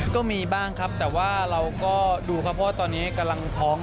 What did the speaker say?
ก็มีบ้างครับแต่ว่าเราก็ดูครับเพราะว่าตอนนี้กำลังท้อง